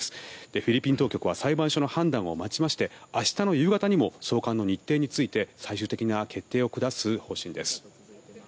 フィリピン当局は裁判所の判断を待ちまして明日の夕方にも送還の日程について最終的な決定を下す方針です。